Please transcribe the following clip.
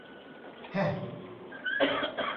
แฮ่ะ